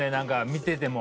見てても。